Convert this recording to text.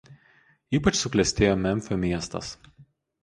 Ypač suklestėjo Memfio miestas.